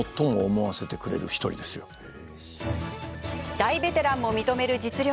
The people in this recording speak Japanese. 大ベテランも認める実力。